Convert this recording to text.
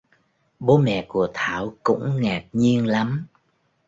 Bố mẹ của Thảo cũng ngạc nhiên lắm